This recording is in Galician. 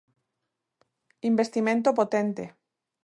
Investimento potente.